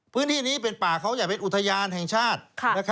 พื้นที่นี้เป็นป่าเขาใหญ่เป็นอุทยานแห่งชาติ